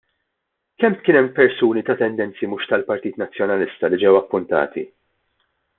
Kemm kien hemm persuni ta' tendenzi mhux tal-Partit Nazzjonalista li ġew appuntati?